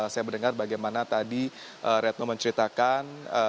saya mendengar bagaimana tadi retno menceritakan